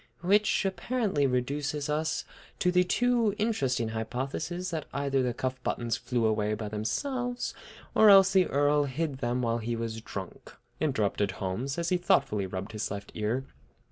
"Which apparently reduces us to the two interesting hypotheses that either the cuff buttons flew away by themselves or else the Earl hid them while he was drunk," interrupted Holmes, as he thoughtfully rubbed his left ear.